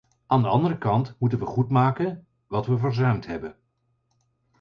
Aan de andere kant moeten we goedmaken wat we verzuimd hebben.